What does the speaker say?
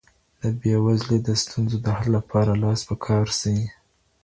د بې وزلو د ستونزو د حل لپاره لاس په کار سئ.